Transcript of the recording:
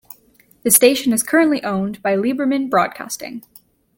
The station is currently owned by Liberman Broadcasting.